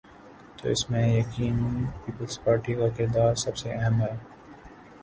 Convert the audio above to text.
تو اس میں یقینا پیپلزپارٹی کا کردار سب سے اہم ہے۔